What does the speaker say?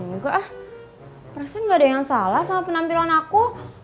nggak perasaan nggak ada yang salah sama penampilan aku